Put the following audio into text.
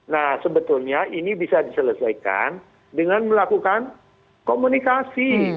nah sebetulnya ini bisa diselesaikan dengan melakukan komunikasi